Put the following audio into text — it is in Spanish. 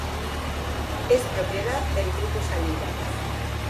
Es propiedad del Grupo Salinas.